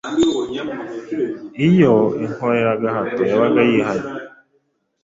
Iyo inkoreragahato yabaga yihanye,